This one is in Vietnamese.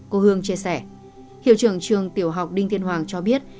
cô hương chia sẻ hiệu trưởng trường tiểu học đinh tiên hoàng cho biết